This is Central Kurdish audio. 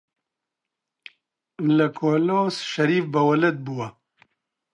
لە کۆلۆس شەریف بە وەلەد بووە